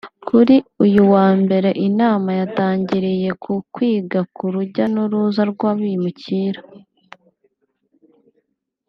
Kuri uyu wambere inama yatangiriye ku kwiga ku rujya n’uruza rw’abimukira